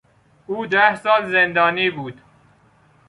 او ده سال زندانی بود.